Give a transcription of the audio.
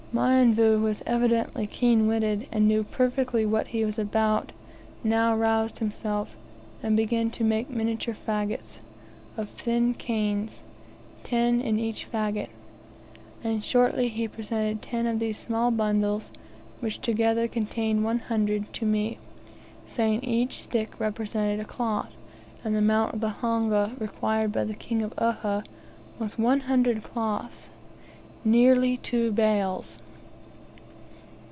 Mionvu, who evidently was keen witted, and knew perfectly what he was about, now roused himself, and began to make miniature faggots of thin canes, ten in each faggot, and shortly he presented ten of these small bundles, which together contained one hundred, to me, saying each stick represented a cloth, and the amount of the "honga" required by the King of Uhha was ONE HUNDRED CLOTHS! nearly two bales!